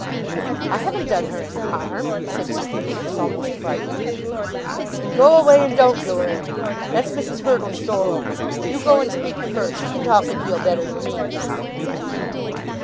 "I haven't done her any harm," said Sir Felix, almost frightened. "Then go away, and don't do her any. That's Mrs. Hurtle's door open. You go and speak to her. She can talk a deal better nor me."